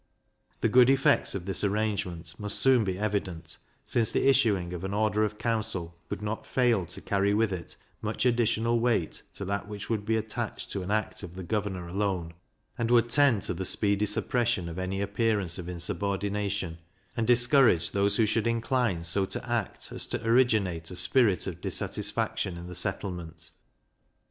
The good effects of this arrangement must soon be evident, since the issuing of an order of council could not fail to carry with it much additional weight to that which would be attached to an act of the governor alone, and would tend to the speedy suppression of any appearance of insubordination, and discourage those who should incline so to act as to originate a spirit of dissatisfaction in the settlement.